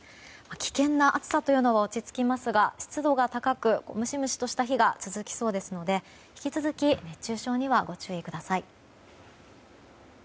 危険な暑さというのは落ち着きますが湿度が高く、ムシムシとした日が続きそうですので引き続き熱中症にはご注意ください。